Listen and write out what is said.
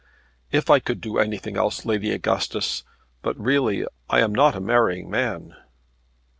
"If I could do anything else, Lady Augustus; but really I am not a marrying man."